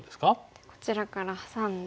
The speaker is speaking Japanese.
こちらからハサんで。